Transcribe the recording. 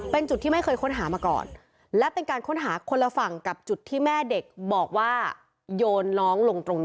เป็นจุดที่ไม่เคยค้นหามาก่อน